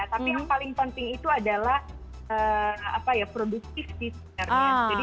tapi yang paling penting itu adalah produktif sih sebenarnya